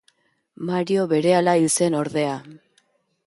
Mario berehala hil zen ordea.